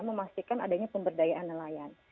memastikan adanya pemberdayaan nelayan